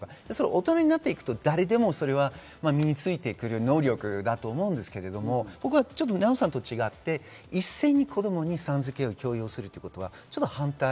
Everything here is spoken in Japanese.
大人になっていくと誰でも身についてくる能力だと思うんですけれども、ナヲさんと違って一斉に子供にさん付けを強要するってことは反対。